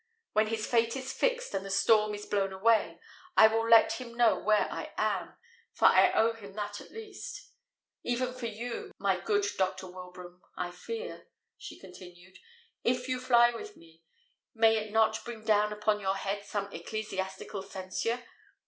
When his fate is fixed and the storm is blown away, I will let him know where I am; for I owe him that at least. Even for you, my good Dr. Wilbraham, I fear," she continued. "If you fly with me, may it not bring down upon your head some ecclesiastical censure?